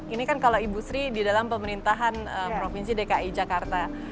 ini kan kalau ibu sri di dalam pemerintahan provinsi dki jakarta